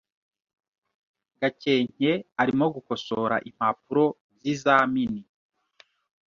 Gakenke arimo gukosora impapuro zizamini